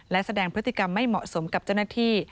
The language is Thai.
และแสดงพฤติกรรมไม่เหมาะสมกับเจ้าหน้าที่